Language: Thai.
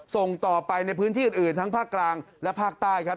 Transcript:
ส่งต่อไปในพื้นที่อื่นทั้งภาคกลางและภาคใต้ครับ